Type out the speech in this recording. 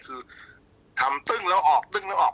คือทำตึ้งแล้วออก